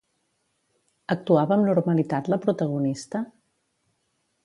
Actuava amb normalitat la protagonista?